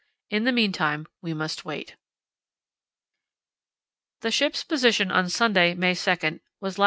In the meantime we must wait." The ship's position on Sunday, May 2, was lat.